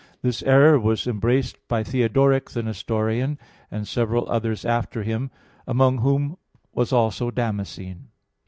This error was embraced by Theodoric the Nestorian, and several others after him, among whom was also Damascene.